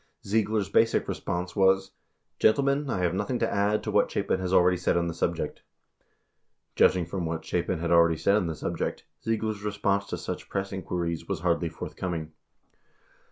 Ziegler's basic response was, "Gentlemen, I have nothing to add to what Chapin has already said on the subject," 94 J udging from what Chapin had already said on the subject, Ziegler's response to such press in quiries was hardly forthcoming.